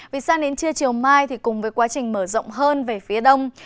vì sang đến trưa chiều mai thì cùng với quá trình mở rộng hơn về phía đông